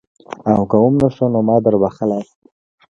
او که وم نه شو نو ما دربخلي.